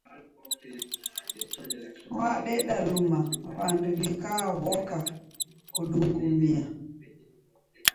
Wadeda luma w'andu w'ikaw'oka kudungumia.